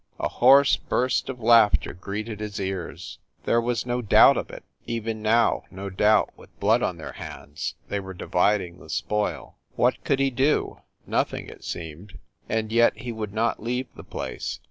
A hoarse burst of laughter greeted his ears. There was no doubt of it. Even now, no doubt, with blood on their hands, they were dividing the spoil. What could he do ? Nothing, it seemed ; and yet he would not leave the place.